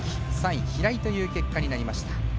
３位、平井という結果になりました。